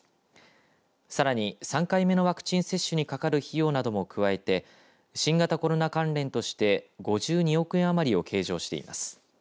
さらに、３回目のワクチン接種にかかる費用なども加えて新型コロナ関連として５２億円余りを計上しています。